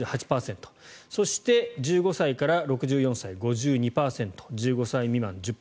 そして、１５歳から６４歳５２％１５歳未満、１０％。